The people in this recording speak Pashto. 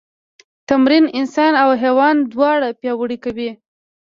تمرین انسان او حیوان دواړه پیاوړي کوي.